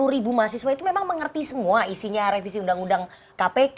sepuluh ribu mahasiswa itu memang mengerti semua isinya revisi undang undang kpk